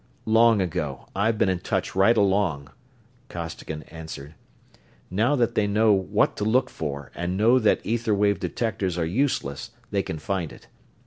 "Long ago I've been in touch right along," Costigan answered. "Now that they know what to look for and know that ether wave detectors are useless, they can find it.